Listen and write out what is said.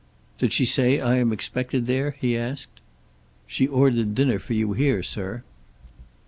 "Did she say I am expected there?" he asked. "She ordered dinner for you here, sir."